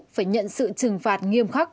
phải nhận sự trừng phạt nghiêm khắc